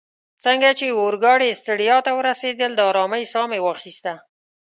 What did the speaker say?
څنګه چي اورګاډې سټریسا ته ورسیدل، د آرامۍ ساه مې واخیسته.